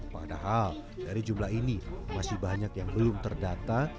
padahal dari jumlah ini masih banyak yang belum terdata